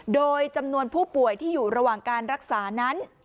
โดยจำนวนผู้ป่วยที่อยู่ระหว่างการรักษานั้น